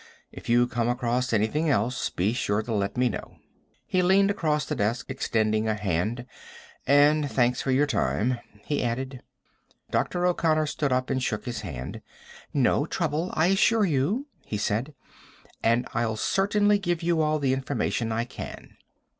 If you come across anything else, be sure and let me know." He leaned across the desk, extending a hand. "And thanks for your time," he added. Dr. O'Connor stood up and shook his hand. "No trouble, I assure you," he said. "And I'll certainly give you all the information I can."